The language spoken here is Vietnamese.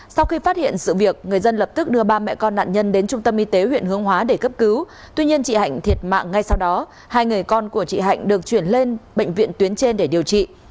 sau khi phát hiện sự việc người dân lập tức đưa ba mẹ con nạn nhân đến trung tâm y tế huyện hướng hóa để cấp cứu tuy nhiên chị hạnh thiệt mạng ngay sau đó hai người con của chị hạnh được chuyển lên bệnh viện tuyến trên để điều trị